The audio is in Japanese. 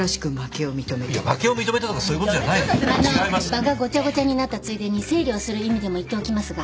場がごちゃごちゃになったついでに整理をする意味でも言っておきますが。